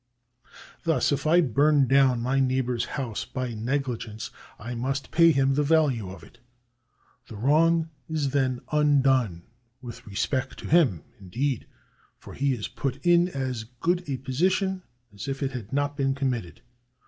Thus if I burn down my neighbour's house by negligence, I must pay him the value of it. The wrong is then undone with respect to him, indeed, for he is put in as good a position as if it had not been committed.